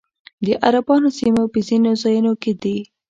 د عربانو سیمې په ځینو ځایونو کې دي